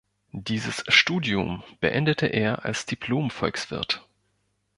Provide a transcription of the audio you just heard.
Dieses Studium beendete er als Diplom-Volkswirt.